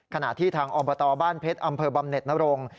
ขณะที่ทางอบตบ้านเพชรอำเภอบำเน็ตนรง